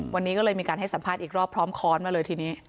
วันนี้ก็เลยมีการให้สัมภาษณ์อีกรอบพร้อมค้อนมาเลยทีนี้